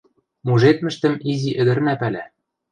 Мужедмӹштӹм изи ӹдӹрна пӓлӓ.